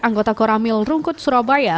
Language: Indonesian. anggota koramil rungkut surabaya